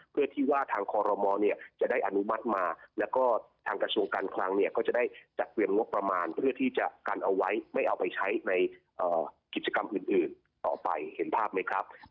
เพื่อที่ว่าทางคอรมอลเนี่ยจะได้อนุมัติมาแล้วก็ทางกระทรวงการคลังเนี่ยก็จะได้จัดเตรียมงบประมาณเพื่อที่จะกันเอาไว้ไม่เอาไปใช้ในกิจกรรมอื่นต่อไปเห็นภาพไหมครับ